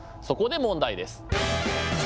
そこで問題です。